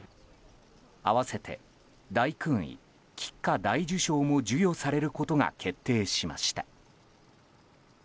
併せて、大勲位菊花大綬章も授与されることが決定しました。